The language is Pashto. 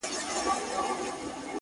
زه به د ميني يوه در زده کړم’